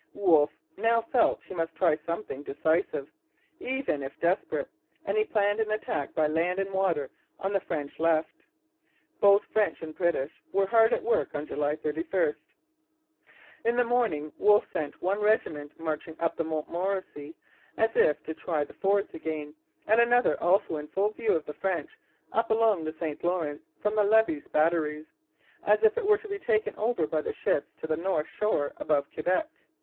Wolfe now felt he must try something decisive, even if desperate; and he planned an attack by land and water on the French left. Both French and British were hard at work on July 31. In the morning Wolfe sent one regiment marching up the Montmorency, as if to try the fords again, and another, also in full view of the French, up along the St Lawrence from the Levis batteries, as if it was to be taken over by the ships to the north shore above Quebec.